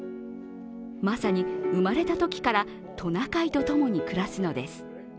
まさに、生まれたときからトナカイと共に暮らすのです。